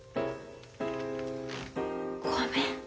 ごめん。